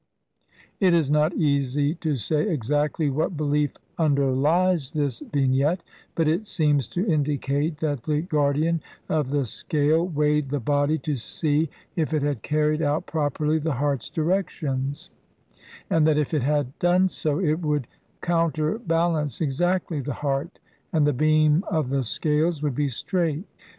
It is not easy to say exactly what belief underlies this Vignette, but it seems to indicate that the guardian of the scale weighed the body to see if it had carried out properly the heart's directions, and that if it had done so it would counter balance exactly the heart, and the beam of the scales would be straight.